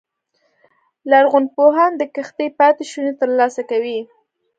لرغونپوهان د کښتۍ پاتې شونې ترلاسه کوي